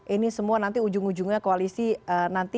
ini semua nanti ujung ujungnya koalisi nanti